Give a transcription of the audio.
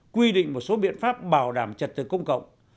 quy định một số biện pháp bảo đảm trật tự công cộng